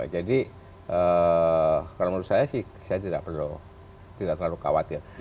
jadi kalau menurut saya sih saya tidak perlu tidak terlalu khawatir